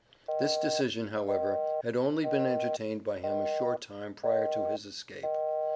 This decision, however, had only been entertained by him a short time prior to his escape.